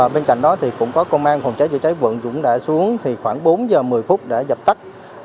bên cạnh đó cũng có công an phòng cháy chữa cháy vận cũng đã xuống khoảng bốn h một mươi phút để dập tắt